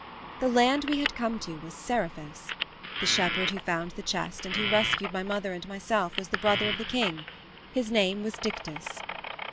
The land we had come to was Seriphus. The shepherd who found the chest and who rescued my mother and myself was the brother of the king. His name was Dictys.